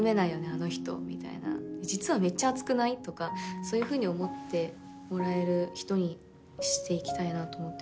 あの人みたいな実はめっちゃ熱くない？とかそういうふうに思ってもらえる人にしていきたいなと思ってます。